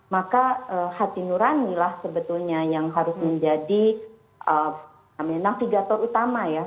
maka hati nurani lah sebetulnya yang harus menjadi navigator utama ya